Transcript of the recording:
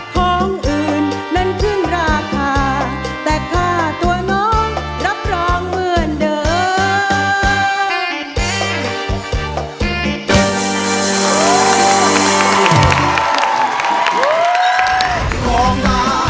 ของอื่นนั้นขึ้นราคาแต่ค่าตัวน้องรับรองเหมือนเดิม